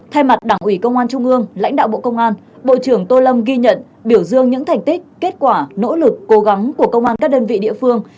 thay mặt đảng ủy công an trung ương lãnh đạo bộ công an bộ trưởng tô lâm ghi nhận biểu dương những thành tích kết quả nỗ lực cố gắng của công an các đơn vị địa phương